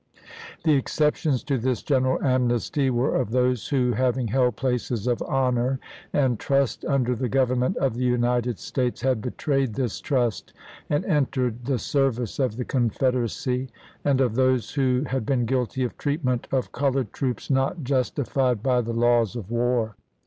The exceptions to this general amnesty were of those who, having held places of honor and trust under the Government of the United States, had betrayed this trust and entered the service of the Confederacy, and of those who had been guilty of treatment of colored troops not justified by the laws of war.